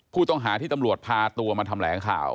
ผู้ต้องหาที่ตำรวจพาตัวมาแถลงข่าว